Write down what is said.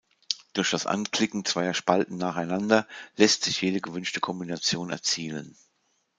Durch das Anklicken zweier Spalten nacheinander lässt sich jede gewünschte Kombination erzielen.